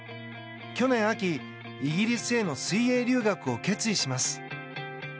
去年秋、イギリスへの水泳留学を決意します。